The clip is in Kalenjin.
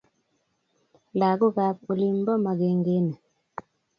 Lagokab olinbo magengeni